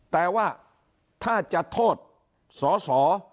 แต่ว่าถ้าจะโทษสอสอ